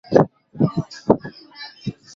Nipatie sentensi ili niandike